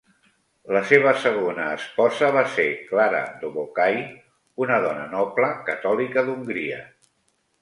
La seva segona esposa va ser Clara Dobokai, una dona noble catòlica d'Hongria.